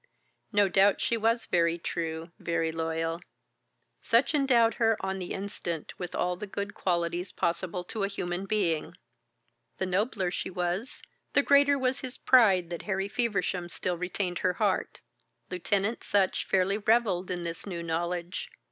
No doubt she was very true, very loyal. Sutch endowed her on the instant with all the good qualities possible to a human being. The nobler she was, the greater was his pride that Harry Feversham still retained her heart. Lieutenant Sutch fairly revelled in this new knowledge.